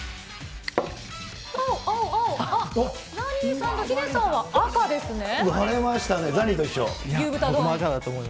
青、青、青、あっ、ザニーさんとヒデさんは、赤ですね。